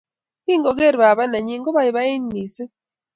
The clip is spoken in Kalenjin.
Kingogeer baba nenyi kobaibait mising